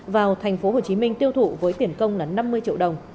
vào thành phố hồ chí minh tiêu thụ với tiền công năm mươi triệu đồng